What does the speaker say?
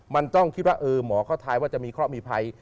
มันต้องคิดว่าหมอเขาทายว่าจะมีเคราะห์มีภัย